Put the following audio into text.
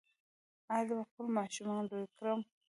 ایا زه به خپل ماشومان لوی کړم؟